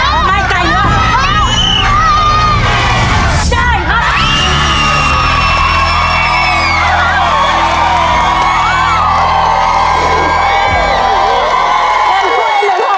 กลายของทุกคน